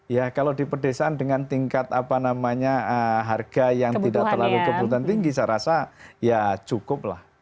ya kalau di pedesaan dengan tingkat apa namanya harga yang tidak terlalu kebutuhan tinggi saya rasa ya cukup lah